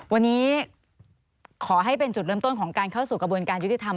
วันนี้ขอให้เป็นจุดเริ่มต้นของการเข้าสู่กระบวนการยุติธรรม